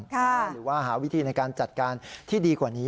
หรือว่าหาวิธีในการจัดการที่ดีกว่านี้